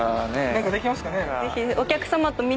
何かできますかね？